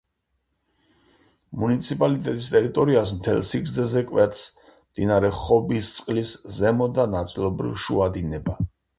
მუნიციპალიტეტის ტერიტორიას მთელ სიგრძეზე კვეთს მდინარე ხობისწყლის ზემო და ნაწილობრივ შუა დინება.